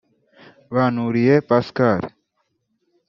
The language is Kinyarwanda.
Banturiye Pascal